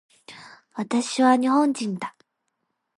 私は日本人だ